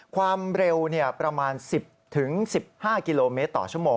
ความเร็วประมาณ๑๐๑๕กิโลเมตรต่อชั่วโมง